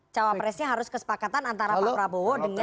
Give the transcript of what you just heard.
cawapresnya harus kesepakatan antara pak prabowo dengan